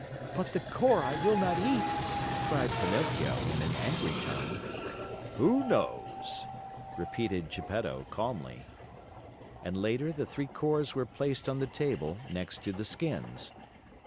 "But the core I will not eat!" cried Pinocchio in an angry tone. "Who knows?" repeated Geppetto calmly. And later the three cores were placed on the table next to the skins.